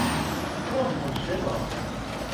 تو را مژده باد!